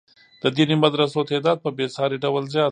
د دیني مدرسو تعداد په بې ساري ډول زیات شو.